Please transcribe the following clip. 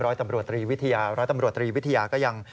ร้อยตำรวจตรีวิทยาร้อยตำรวจตรีวิทยาก็ยัง